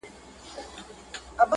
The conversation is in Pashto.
د زړه په په دښته کې د مینې ګلان